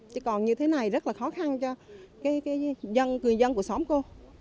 chứ còn như thế này rất là khó khăn cho dân người dân của xóm cô